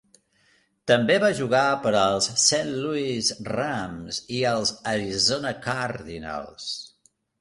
També va jugar per als Saint Louis Rams i els Arizona Cardinals.